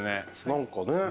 何かね。